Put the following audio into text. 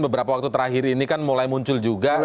beberapa waktu terakhir ini kan mulai muncul juga